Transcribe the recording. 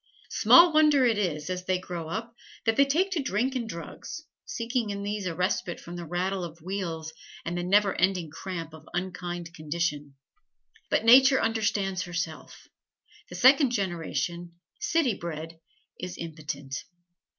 Small wonder is it, as they grow up, that they take to drink and drugs, seeking in these a respite from the rattle of wheels and the never ending cramp of unkind condition. But Nature understands herself: the second generation, city bred, is impotent.